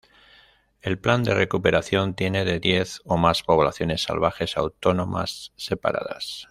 El plan de recuperación tiene de diez o más poblaciones salvajes autónomas separadas.